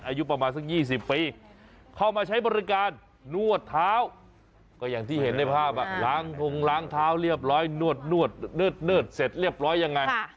อายุประมาณสัก๒๐ปีเข้ามาใช้บริการนวดเท้าก็อย่างที่เห็นในภาพล้างทงล้างเท้าเรียบร้อยนวดเนิดเสร็จเรียบร้อยยังไง